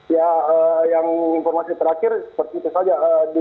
ya yang informasi terakhir seperti itu saja